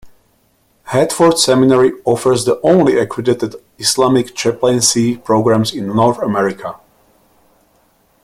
Hartford Seminary offers the only accredited Islamic chaplaincy programs in North America.